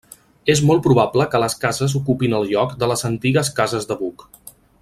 És molt probable que les cases ocupin el lloc de les antigues cases de Buc.